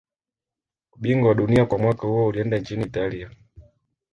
Ubingwa wa dunia kwa mwaka huo ulienda nchini italia